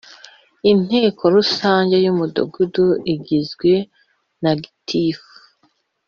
Inteko rusange y Umudugudu igizwe na gitifu